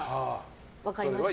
分かりましたか？